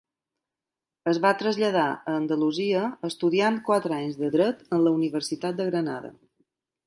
Es va traslladar a Andalusia estudiant quatre anys de Dret en la Universitat de Granada.